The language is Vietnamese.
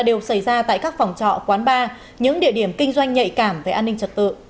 đều xảy ra tại các phòng trọ quán bar những địa điểm kinh doanh nhạy cảm về an ninh trật tự